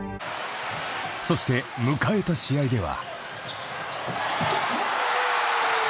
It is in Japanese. ［そして迎えた試合では］